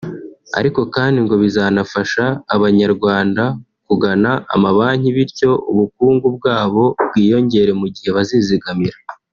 ariko kandi ngo bizanafasha abanyarwanda kugana amabanki bityo ubukungu bwabo bwiyongere mu gihe bazizigamira